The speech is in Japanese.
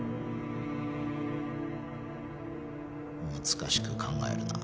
難しく考えるな。